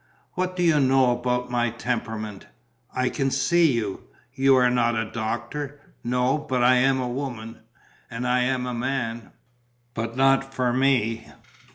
"What do you know about my temperament?" "I can see you." "You are not a doctor." "No, but I am a woman." "And I a man." "But not for me."